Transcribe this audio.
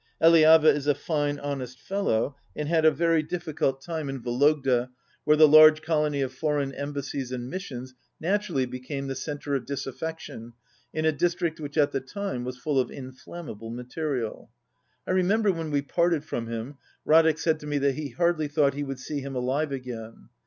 Eliava is a fine, honest fellow, and had a very difficult time in Vologda where the large colony of foreign embassies and missions nat urally became the centre of disaffection in a dis trict which at the time was full of inflammable material. I remember when we parted from him, Radek said to me that he hardly thought he would see him alive again.